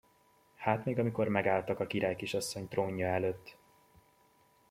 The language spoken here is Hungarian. Hát még amikor megálltak a királykisasszony trónja előtt!